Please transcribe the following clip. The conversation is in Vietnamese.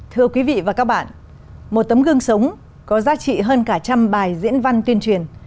thưa quý vị và các bạn một tấm gương sống có giá trị hơn cả trăm bài diễn văn tuyên truyền